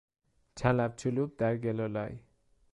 چلپ چلوپ در گل و لای